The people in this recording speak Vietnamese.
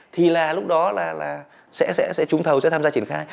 thì là lúc đó là sẽ sẽ sẽ trúng thầu sẽ tham gia triển khai